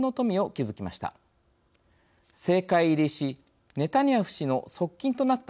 政界入りしネタニヤフ氏の側近となった